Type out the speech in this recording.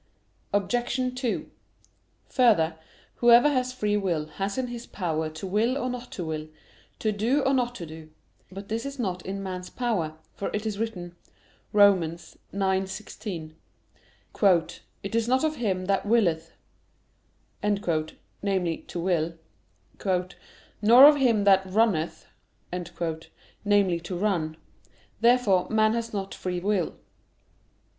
Obj. 2: Further, whoever has free will has in his power to will or not to will, to do or not to do. But this is not in man's power: for it is written (Rom. 9:16): "It is not of him that willeth" namely, to will "nor of him that runneth" namely, to run. Therefore man has not free will.